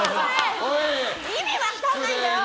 意味分からないんだよ！